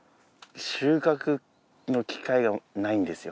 収穫の機械がないんですよ。